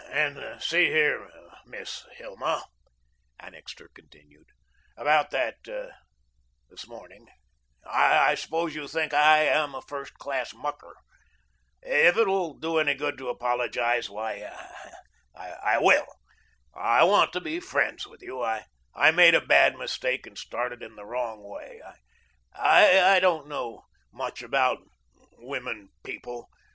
"And see here, Miss Hilma," Annixter continued, "about that this morning I suppose you think I am a first class mucker. If it will do any good to apologise, why, I will. I want to be friends with you. I made a bad mistake, and started in the wrong way. I don't know much about women people.